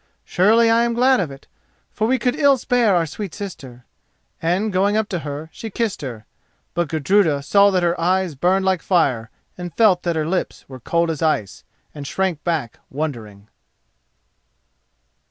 Surely I am glad of it, for we could ill spare our sweet sister," and, going up to her, she kissed her. But Gudruda saw that her eyes burned like fire and felt that her lips were cold as ice, and shrank back wondering.